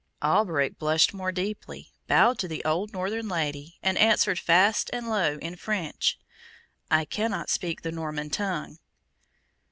Alberic blushed more deeply, bowed to the old northern lady, and answered fast and low in French, "I cannot speak the Norman tongue."